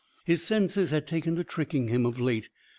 His senses had taken to tricking him, of late.